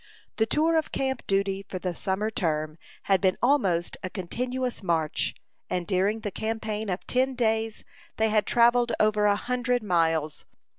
The tour of camp duty for the summer term had been almost a continuous march; and during the campaign of ten days, they had travelled over a hundred miles.